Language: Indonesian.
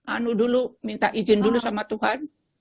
anu dulu minta izin dulu sama tuhan